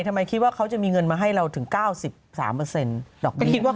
ทำไมคิดว่าเขาจะมีเงินให้เราถึง๙๓เปอร์เซ็นต์ดอกเบี้ย